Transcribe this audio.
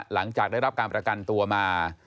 หลังจากได้รับการประกันตัวมา